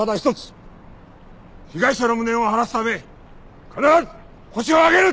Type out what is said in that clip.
被害者の無念を晴らすため必ずホシを挙げる！